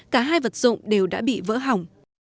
cả hai vật dụng đều đã bị vỡ hỏng